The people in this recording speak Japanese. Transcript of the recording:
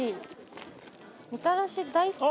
みたらし大好き。